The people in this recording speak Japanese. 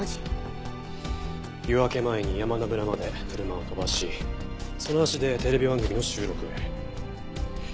夜明け前に山田村まで車を飛ばしその足でテレビ番組の収録へ。